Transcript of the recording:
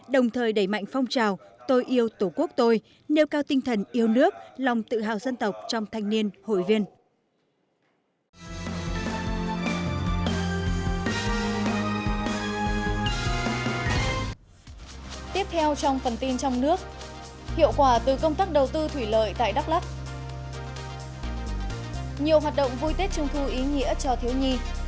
đồng thời đẩy mạnh phong trào tôi yêu tổ quốc tôi nêu cao tinh thần yêu nước lòng tự hào dân tộc trong thanh niên hội liên